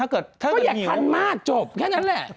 ก็อย่าพันมากจบแค่นั้นแหละ